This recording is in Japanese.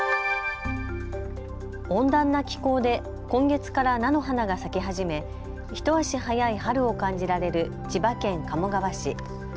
温暖な気候で今月から菜の花が咲き始め一足早い春を感じられる千葉県鴨川市。